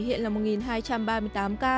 hiện là một hai trăm ba mươi tám ca